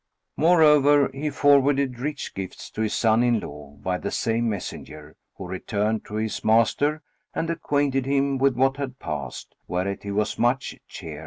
Moreover, he forwarded rich gifts to his son in law by the same messenger, who returned to his master and acquainted him with what had passed; whereat he was much cheered.